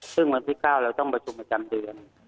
ซึ่งวันที่๙เราต้องประชุมประจำเดือน